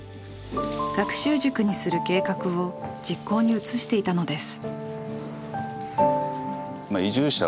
学習塾にする計画を実行に移していたのです。